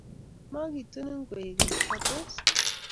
magitunin koek keny?matos?